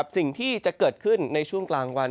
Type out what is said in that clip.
สิ่งที่จะเกิดขึ้นในช่วงกลางวัน